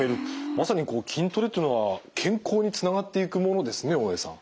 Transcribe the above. まさにこう筋トレというのは健康につながっていくものですね大江さん。